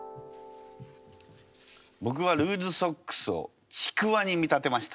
僕はルーズソックスをちくわに見立てました。